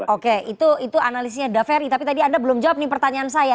oke itu analisisnya dhaferi tapi tadi anda belum jawab nih pertanyaan saya